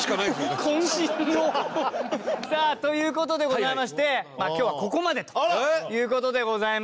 さあという事でございまして今日はここまでという事でございます。